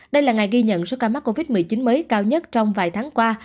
đây là ngày ghi nhận số ca mắc covid một mươi chín mới cao nhất trong vài tháng qua